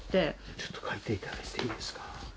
ちょっと書いていただいていいですか？